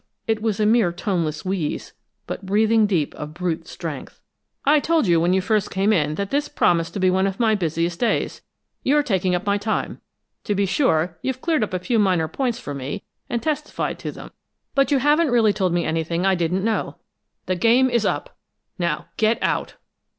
It was a mere toneless wheeze, but breathing deep of brute strength. "I told you when you first came in that this promised to be one of my busiest days. You're taking up my time. To be sure, you've cleared up a few minor points for me, and testified to them, but you haven't really told me anything I didn't know. The game is up! Now get out!"